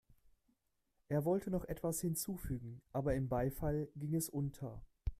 Er wollte noch etwas hinzufügen, aber im Beifall ging es unter.